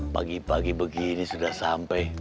pagi pagi begini sudah sampai